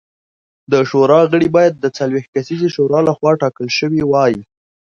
د شورا غړي باید د څلوېښت کسیزې شورا لخوا ټاکل شوي وای